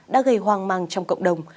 đã gây hoang mang trong cộng đồng